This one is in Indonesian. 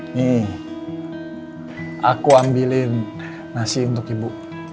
hmm aku ambilin nasi untuk ibu